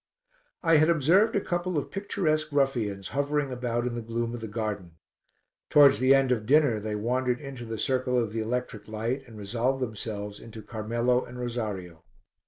I had observed a couple of picturesque ruffians hovering about in the gloom of the garden; towards the end of dinner they wandered into the circle of the electric light and resolved themselves into Carmelo and Rosario.